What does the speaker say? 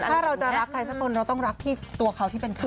ถ้าเราจะรักใครสักคนเราต้องรักที่ตัวเขาที่เป็นเขา